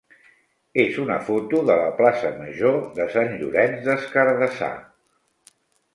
és una foto de la plaça major de Sant Llorenç des Cardassar.